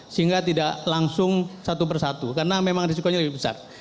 sehingga tidak langsung satu persatu karena memang risikonya lebih besar